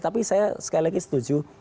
tapi saya sekali lagi setuju